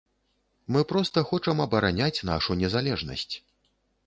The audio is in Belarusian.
Мы проста хочам абараняць нашу незалежнасць.